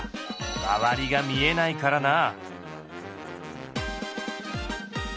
周りが見えないからなあ。